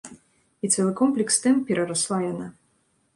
У цэлы комплекс тэм перарасла яна.